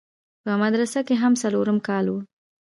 په مدرسه کښې مې څلورم کال و.